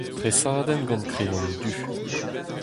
Tresadenn gant kreion du.